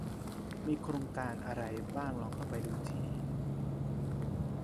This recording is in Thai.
มีโครงการอะไรบ้างลองเข้าไปดูที่